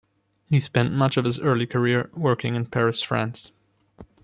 He spent much of his early career working in Paris, France.